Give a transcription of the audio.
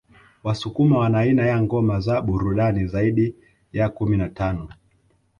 Wasukuma wana aina ya ngoma za burudani zaidi ya kumi na tano